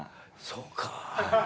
そうか。